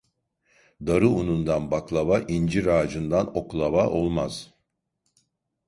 Darı unundan baklava, incir ağacından oklava olmaz.